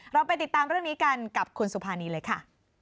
เราไปติดตามเรื่องนี้กันกับคุณสุภานีเลยค่ะ